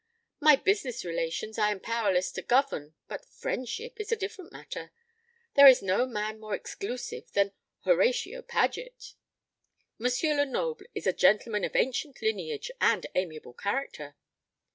My business relations I am powerless to govern; but friendship is a different matter. There is no man more exclusive than Horatio Paget. M. Lenoble is a gentleman of ancient lineage and amiable character."